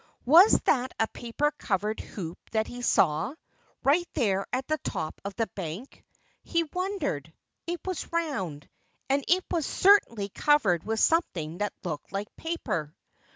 Was that a paper covered hoop that he saw, right there at the top of the bank? He wondered. It was round. And it was certainly covered with something that looked like paper.